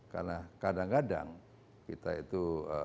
karena kadang kadang kita itu